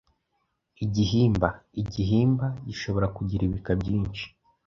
Igihimba: Igihimba gishobora kugira ibika byinshi